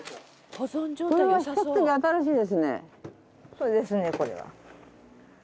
そうですねこれは。